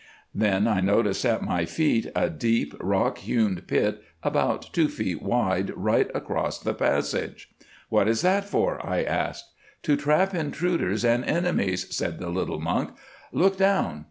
"Then I noticed at my feet a deep, rock hewn pit about two feet wide right across the passage. 'What is that for?' I asked. 'To trap intruders and enemies,' said the little monk. '_Look down.